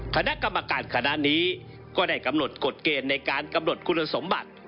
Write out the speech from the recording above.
คณะกรรมการคณะนี้ก็ได้กำหนดกฎเกณฑ์ในการกำหนดคุณสมบัติ